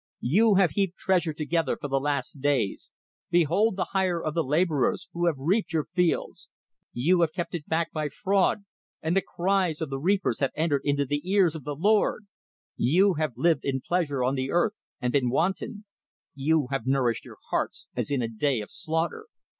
You have heaped treasure together for the last days. Behold the hire of the laborers, who have reaped your fields; you have kept it back by fraud, and the cries of the reapers have entered into the ears of the Lord! You have lived in pleasure on the earth, and been wanton; you have nourished your hearts, as in a day of slaughter.